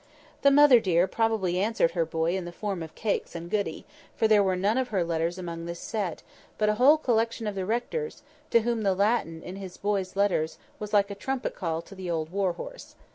The "mother dear" probably answered her boy in the form of cakes and "goody," for there were none of her letters among this set; but a whole collection of the rector's, to whom the Latin in his boy's letters was like a trumpet to the old war horse.